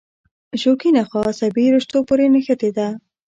شوکي نخاع عصبي رشتو پورې نښتې ده.